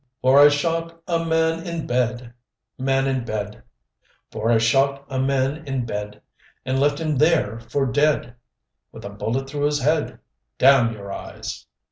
"_For I shot a man in bed, man in bed For I shot a man in bed, and I left him there for dead, With a bullet through his head Damn your eyes!